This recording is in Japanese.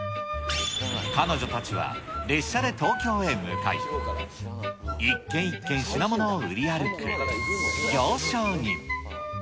彼女たちは列車で東京へ向かい、一軒一軒品物を売り歩く行商人。